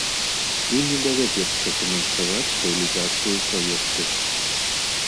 Ім і давядзецца фінансаваць рэалізацыю праекту.